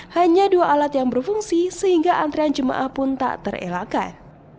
hanya dua alat yang berfungsi sehingga antrian jemaah pun tak terelakkan